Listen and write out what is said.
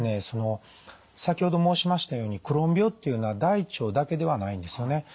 その先ほど申しましたようにクローン病っていうのは大腸だけではないんですよね。